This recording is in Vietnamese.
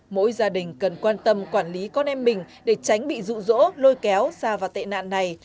mỗi gia đình cần quan tâm quản lý con em mình để tránh bị rụ rỗ lôi kéo xa vào tệ nạn này